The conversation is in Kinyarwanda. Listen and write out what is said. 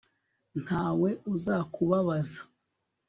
ntawe uzakubabaza